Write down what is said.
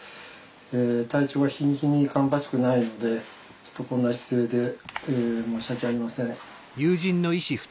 体調は日に日に芳しくないのでちょっとこんな姿勢で申し訳ありません。